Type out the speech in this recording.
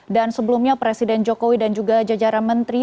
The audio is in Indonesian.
dan sebelumnya presiden jokowi dan juga jajaran menteri